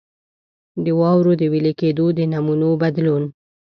د واورو د وېلې کېدو د نمونو بدلون.